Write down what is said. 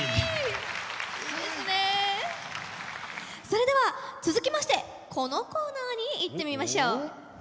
それでは続きましてこのコーナーにいってみましょう。